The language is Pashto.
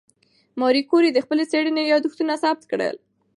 ماري کوري د خپلې څېړنې یادښتونه ثبت کړل.